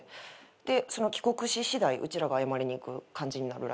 でその帰国ししだいうちらが謝りに行く感じになるらしい。